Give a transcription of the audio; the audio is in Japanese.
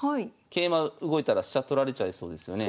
桂馬動いたら飛車取られちゃいそうですよね。